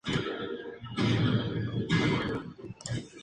Se sabe que la mayoría de los aficionados de los Spurs como 'Charlie'.